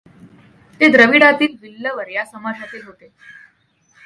ते द्रविडांतील विल्लवर या समाजातील होते.